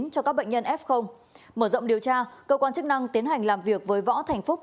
cho các bệnh nhân f mở rộng điều tra cơ quan chức năng tiến hành làm việc với võ thành phúc